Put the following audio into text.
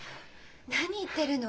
何言ってるの？